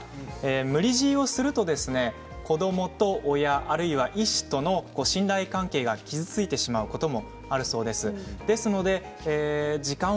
無理強いをすると子どもと親あるいは医師との信頼関係が傷ついてしまうこともあるそうです。